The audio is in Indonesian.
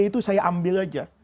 itu saya ambil aja